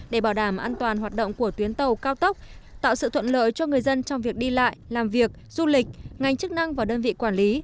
để bảo đảm an toàn hoạt động của tuyến tàu cao tốc tạo sự thuận lợi cho người dân trong việc đi lại làm việc du lịch ngành chức năng và đơn vị quản lý